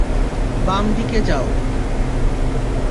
বাম দিকে যাও।